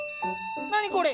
何これ！